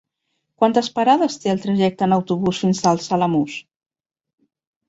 Quantes parades té el trajecte en autobús fins als Alamús?